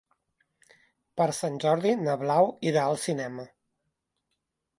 Per Sant Jordi na Blau irà al cinema.